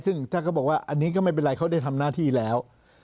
ซึ่งถ้าเขาบอกว่าอันนี้ก็ไม่เป็นไรเขาได้ทำหน้าที่แล้ว